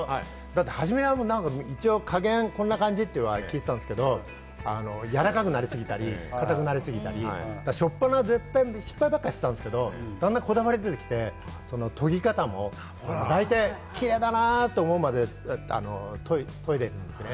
初めは、加減、こんな感じと聞いてたんですけど、軟らかくなりすぎたり、硬くなりすぎたり、しょっぱな絶対、失敗ばかりしてたんですけれども、こだわり出てきてとぎ方もキレイだなと思うまで、といでいるんですね。